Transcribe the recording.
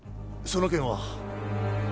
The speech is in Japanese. その件は